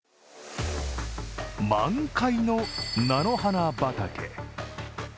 満開の菜の花畑。